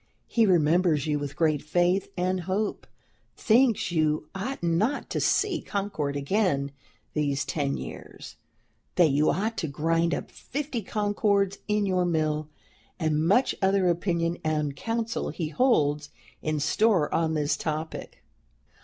He remembers you with great faith and hope, thinks you ought not to see Concord again these ten years; that you ought to grind up fifty Concords in your mill; and much other opinion and counsel he holds in store on this topic.